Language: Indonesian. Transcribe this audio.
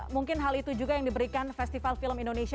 mungkin hal itu juga yang diberikan festival film indonesia